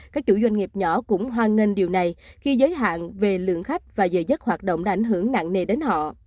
các chủ doanh nghiệp nhỏ cũng hoan nghênh điều này khi giới hạn về lượng khách và giới dất hoạt động đã ảnh hưởng nặng nề đến họ